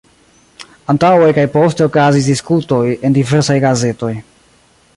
Antaŭe kaj poste okazis diskutoj en diversaj gazetoj.